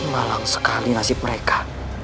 malang sekali nasib mereka